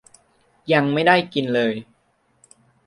ยังไม่ได้กินเลย